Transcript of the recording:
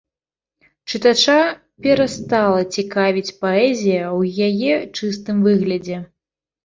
Чытача перастала цікавіць паэзія ў яе чыстым выглядзе.